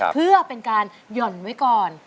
เพื่อเป็นการหย่อนไว้ก่อน